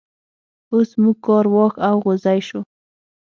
اوس موږ کار واښ او غوزی شو.